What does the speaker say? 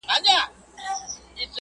• كله، كله يې ديدن تــه لـيونـى سم.